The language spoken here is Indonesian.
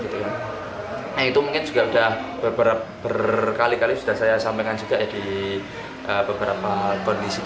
nah itu mungkin juga sudah beberapa berkali kali sudah saya sampaikan juga ya di beberapa kondisi